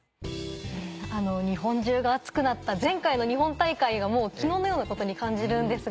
あの日本中が熱くなった前回の日本大会がもう昨日のようなことに感じるんですが。